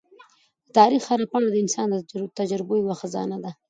د تاریخ هره پاڼه د انسان د تجربو یوه خزانه ده.